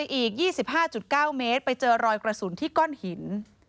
อีก๒๕๙เมตรไปเจอรอยกระสุนที่ก้อนหิน